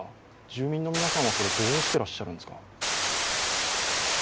住民の皆さんはどうしていらっしゃるんですか。